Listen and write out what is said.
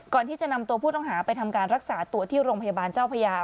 ก่อนที่จะนำตัวผู้ต้องหาไปทำการรักษาตัวที่โรงพยาบาลเจ้าพญา